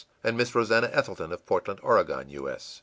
and Miss Rosannah Ethelton, of Portland, Oregon, U. S.